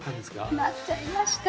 なっちゃいました。